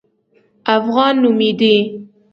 افغان نومېدی.